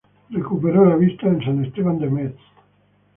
Recuperó la vista en San Esteban de Metz.